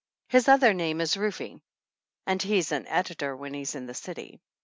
His other name is Rufe, and he's an editor when he's in the city.